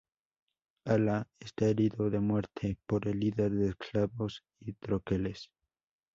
Ala está herido de muerte por el líder de esclavos y troqueles.